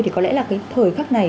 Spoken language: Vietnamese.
thì có lẽ là cái thời khắc này